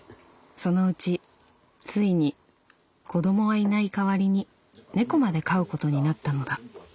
「そのうちついに子供はいない代わりに猫まで飼うことになったのだ」。